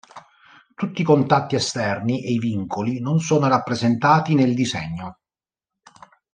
Tutti i contatti esterni e i vincoli non sono rappresentati nel disegno.